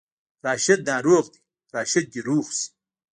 راشد ناروغ دی، راشد دې روغ شي